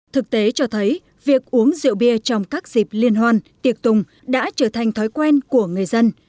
thực tế cho thấy việc uống rượu bia trong các dịp liên hoan tiệc tùng đã trở thành thói quen của người dân